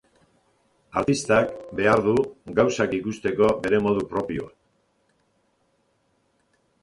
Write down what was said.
Artistak behar du gauzak ikusteko bere modu propioa.